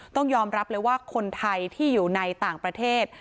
ต้องยอมรับเลยว่าคนไทยที่อยู่ในต่างประเทศ